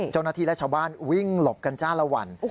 เจ้าหน้าที่และชาวบ้านวิ่งหลบกันจ้าละวัน